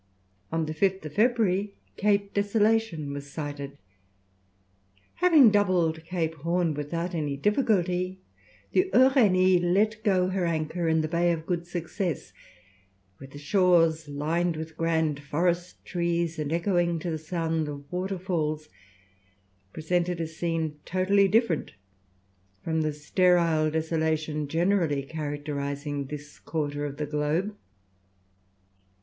On the 5th February, Cape Desolation was sighted. Having doubled Cape Horn without any difficulty, the Uranie let go her anchor in the Bay of Good Success, where the shores, lined with grand forest trees and echoing to the sound of waterfalls, presented a scene totally different from the sterile desolation generally characterizing this quarter of the globe.